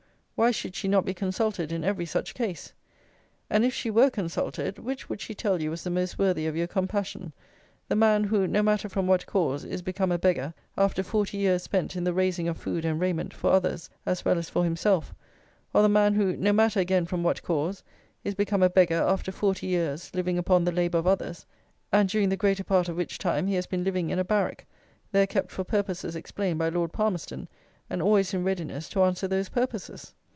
Why should she not be consulted in every such case? And if she were consulted, which would she tell you was the most worthy of your compassion, the man who, no matter from what cause, is become a beggar after forty years spent in the raising of food and raiment for others as well as for himself; or the man who, no matter again from what cause, is become a beggar after forty years living upon the labour of others, and during the greater part of which time he has been living in a barrack, there kept for purposes explained by Lord Palmerston, and always in readiness to answer those purposes?